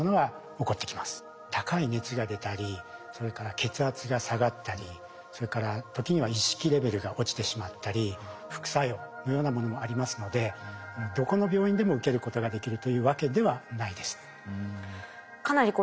高い熱が出たりそれから血圧が下がったりそれから時には意識レベルが落ちてしまったり副作用のようなものもありますのでどこの病院でも受けることができるというわけではないです。